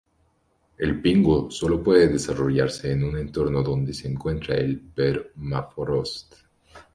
El pingo sólo puede desarrollarse en un entorno donde se encuentra el permafrost.